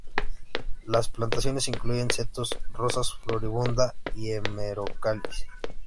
Las plantaciones incluyen setos, rosas floribunda y Hemerocallis.